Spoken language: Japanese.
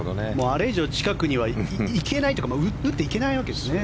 あれ以上近くには行けないというか打っていけないわけですね。